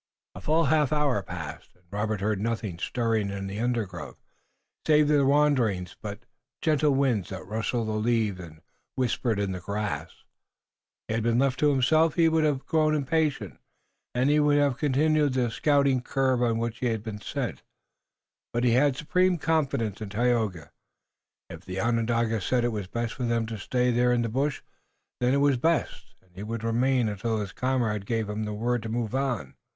A full half hour passed, and Robert heard nothing stirring in the undergrowth, save the wandering but gentle winds that rustled the leaves and whispered in the grass. Had he been left to himself he would have grown impatient, and he would have continued the scouting curve on which he had been sent. But he had supreme confidence in Tayoga. If the Onondaga said it was best for them to stay there in the bush, then it was best, and he would remain until his comrade gave the word to move on.